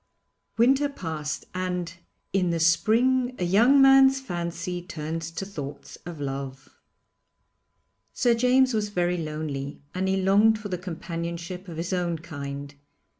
Winter passed, and 'in the spring a young man's fancy turns to thoughts of love.' Sir James was very lonely and he longed for the companionship of his own kind.